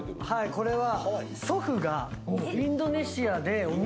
これは。